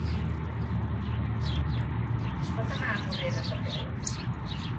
Es pot anar a Porreres a peu?